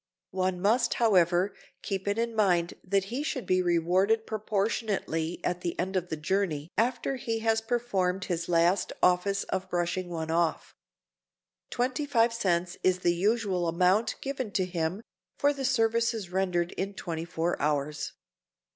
One must, however, keep it in mind that he should be rewarded proportionately at the end of the journey after he has performed his last office of brushing one off. Twenty five cents is the usual amount given to him for the services rendered in twenty four hours.